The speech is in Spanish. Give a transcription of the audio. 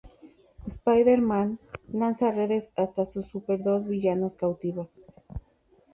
Spider-Man lanza redes hasta sus dos super-villano cautivos.